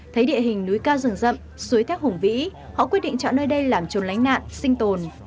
thấy địa hình núi ca rừng rậm suối thác hùng vĩ họ quyết định chọn nơi đây làm trồn lánh nạn sinh tồn